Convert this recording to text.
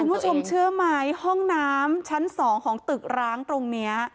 คุณผู้ชมเชื่อไหมห้องน้ำชั้น๒ของตึกร้างตรงนี้